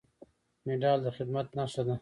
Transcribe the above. مډال د خدمت نښه ده